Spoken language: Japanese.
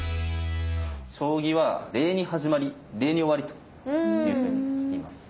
将棋は「礼に始まり礼に終わる」というふうにいいます。